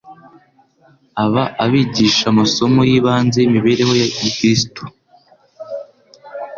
aba abigisha amasomo y'ibanze y'imibereho ya gikristo.